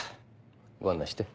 ご案内して。